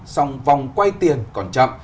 xong vòng quay tiền còn chậm